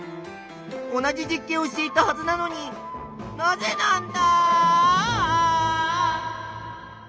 同じ実験をしていたはずなのになぜなんだ！